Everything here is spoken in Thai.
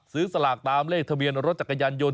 สลากตามเลขทะเบียนรถจักรยานยนต